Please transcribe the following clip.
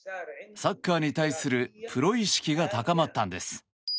サッカーに対するプロ意識が高まったんです。